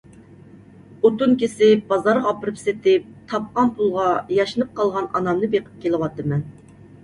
ئوتۇن كېسىپ بازارغا ئاپىرىپ سېتىپ، تاپقان پۇلغا ياشىنىپ قالغان ئانامنى بېقىپ كېلىۋاتىمەن.